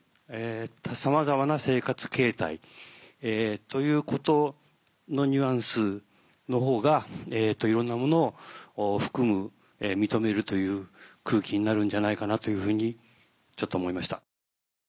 さまざまな生活形態ということのニュアンスのほうがいろんなものを含む認めるという空気になるんじゃないかなというふうにちょっと思いました。